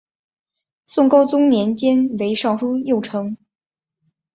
宋高宗年间为尚书右丞。